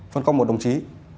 phân công một đồng chí